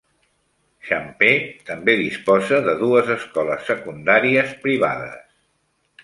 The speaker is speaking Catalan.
Champaig també disposa de dues escoles secundàries privades.